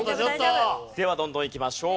ではどんどんいきましょう。